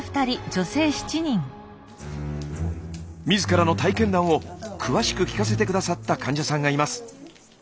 自らの体験談を詳しく聞かせて下さった患者さんがいます。